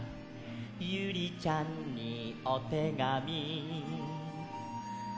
「ユリちゃんにおてがみ」